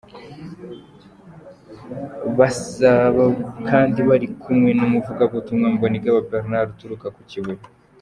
Bazaba kandi bari kumwe n'umuvugabutumwa Mbonigaba Bernard uturuka ku Kibuye.